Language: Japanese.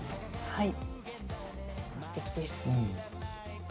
はい。